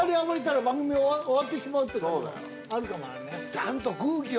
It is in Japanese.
ちゃんと。